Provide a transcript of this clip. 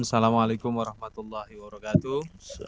assalamu alaikum warahmatullahi wabarakatuh